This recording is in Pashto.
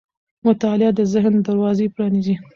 مطالعه د ذهن دروازې پرانیزي.